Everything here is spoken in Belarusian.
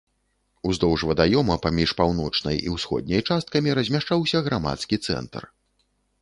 Уздоўж вадаёма, паміж паўночнай і ўсходняй часткамі, размяшчаўся грамадскі цэнтр.